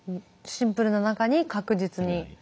シンプルな中に確実に。